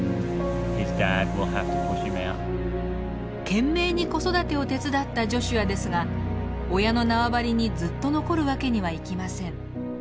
懸命に子育てを手伝ったジョシュアですが親の縄張りにずっと残る訳にはいきません。